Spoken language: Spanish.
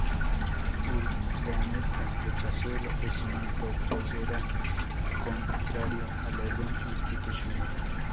Urdaneta rechazó el ofrecimiento, pues era contrario al orden institucional.